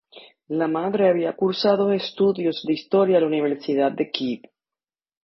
La madre había cursado estudios de Historia en la Universidad de Kyiv.